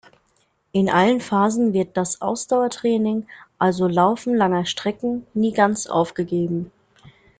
In allen Phasen wird das Ausdauertraining, also Laufen langer Strecken, nie ganz aufgegeben.